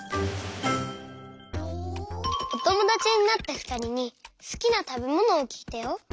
おともだちになったふたりにすきなたべものをきいたよ。